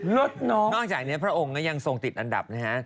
เลิศน้องนอกจากเนี่ยพระองค์ก็ยังทรงติดอันดับนะฮะ